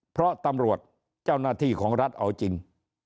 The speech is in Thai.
เพราะตำรวจเจ้าหน้าที่ของรัฐเอาจริง